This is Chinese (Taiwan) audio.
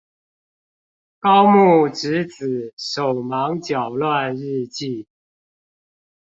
高木直子手忙腳亂日記